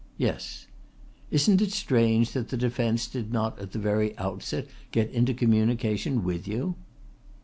"Yes." "Isn't it strange that the defence did not at the very outset get into communication with you?"